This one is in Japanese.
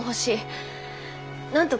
なんとか。